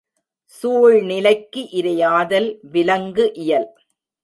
சூழ்நிலைக்கு இரையாதல் விலங்கு இயல்.